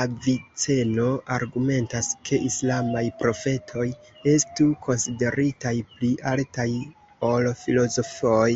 Aviceno argumentas ke islamaj profetoj estu konsideritaj pli altaj ol filozofoj.